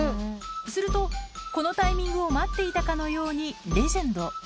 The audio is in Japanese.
すると、このタイミングを待っていたかのように、レジェンド。